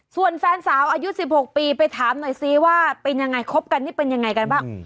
ส่วนแฟนสาวอายุ๑๖ปีไปถามหน่อยซิว่าเป็นยังไงคบกันนี่เป็นยังไงกันบ้าง